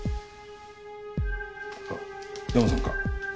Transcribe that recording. あっヤマさんか？